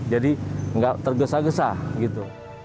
jadi nggak tergesa gesa gitu